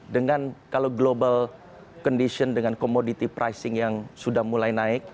dengan kalau global condition dengan commodity pricing yang sudah mulai naik